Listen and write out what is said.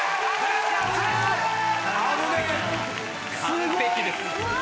完璧です。